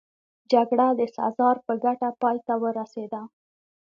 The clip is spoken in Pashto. جګړه د سزار په ګټه پای ته ورسېده